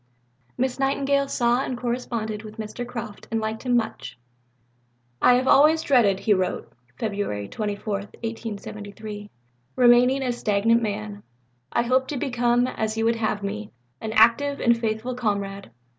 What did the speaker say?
Miss Nightingale saw and corresponded with Mr. Croft, and liked him much. "I have always dreaded," he wrote (Feb. 24, 1873), "remaining a 'stagnant man.' I hope to become, as you would have me, an active and faithful comrade."